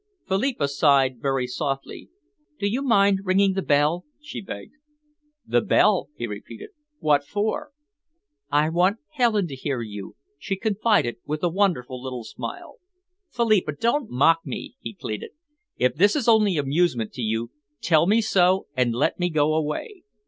Philippa sighed very softly. "Do you mind ringing the bell?" she begged. "The bell?" he repeated. "What for?" "I want Helen to hear you," she confided, with a wonderful little smile. "Philippa, don't mock me," he pleaded. "If this is only amusement to you, tell me so and let me go away.